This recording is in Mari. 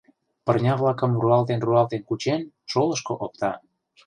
Пырня-влакым руалтен-руалтен кучен, шолышко опта.